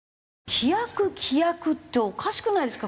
「規約」「規約」っておかしくないですか？